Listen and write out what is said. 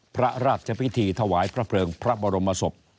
พระราชพิธีถวายพระเพลิงพระบรมศพ